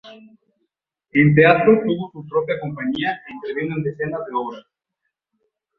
En teatro tuvo su propia compañía e intervino en decenas de obras.